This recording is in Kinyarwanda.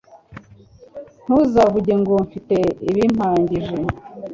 ntuzavuge ngo mfite ibimpagije